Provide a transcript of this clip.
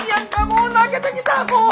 もう泣けてきたもう。